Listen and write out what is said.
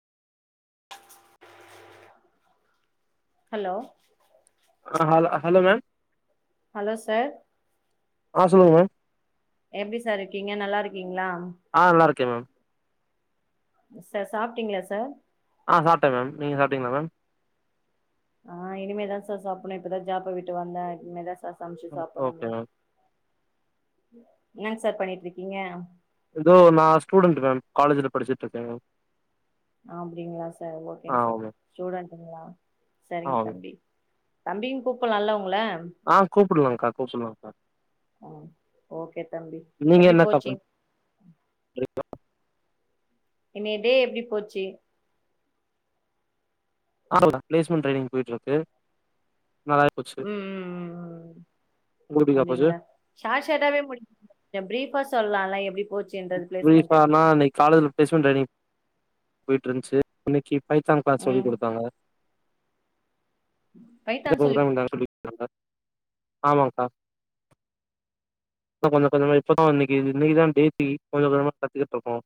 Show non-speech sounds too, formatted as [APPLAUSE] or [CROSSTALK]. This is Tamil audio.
ஹலோ ஆ hello hello ma'am hello sir ஆ சொல்லுங்க மேம் எப்டி சார் இருக்கீங்க நல்லா இருக்கீங்களா ஆ நல்லா இருக்கே மேம் சார் சாப்ட்டீங்களா சார் ஆ சாப்ட மேம் நீங்க சாப்ட்டீங்ளா மேம் ஆ இனிமேதா சார் சாப்புண்ணு இப்பதா ஜாப விட்டு வந்த இனிமேதா ச சம்ச்சி ஓகே சாப்பண்ணுமே மேம் என்னங் சார் பண்ணிட்ருக்கீங்க ஏதோ நா ஸ்டூடன்ட்டு மேம் காலேஜுல படிச்சிட்ருக்க அப்டிங்களா சார் ஓகேங் சார் மேம் ஸ்டூடன்ட்டுங்ளா ஆ சரிங்க ஆமா மேம் தம்பி தம்பின் கூப்புல்லால்ல உ ஆ கூப்புட்லாங்க்கா கூப்புல்லாங்க்கா ம் ஓகே தம்பி நீங்க எப்டி என்னகா போச்சு பண் [INAUDIBLE] இன்னைய டே எப்டி போச்சி [INAUDIBLE] ப்ளேஸ்மெண்ட் ட்ரைனிங் போய்ட்ருக்கு ம் ம் ம் ம் உங்களுக்கு எப்டிக்கா போச்சு அப்டிங்ளா ஷாட் ஷாட்டாவே [INAUDIBLE] ப்ரீஃபா சொல்லா ல எப்டி போச்சுன்றது பிளேஸ்மெண்ட்டு ப்ரீஃபானா இன்னைக் காலேஜ்ல ப்ளேஸ்மென்ட் ட்ரைனிங் போய்ட்ருந்ச்சு இன்னக்கி பைத்தான் க்ளாஸ் சொல்லிக் ம் குடுத்தாங்க இந்த ப்ரோக்ராம்தா சொல்லி [INAUDIBLE] ஆமாங்க்கா கொஞ்சக் கொஞ்சமா இப்பொதா இன்னக்கி இன்னக்கிதா [UNINTELLIGIBLE] கொஞ்சக் கொஞ்சமா கத்துகிட்ருக்கோ